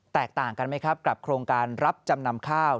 แตกต่างกันไหมครับกับโครงการรับจำนำข้าว